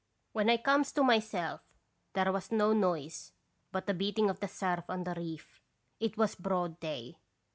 "When I comes to myself there was no noise but the beating of the surf on the reef. It was broad day.